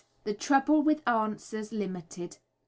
THE TROUBLE WITH "ANSWERS" LIMITED.